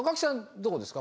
どこですか？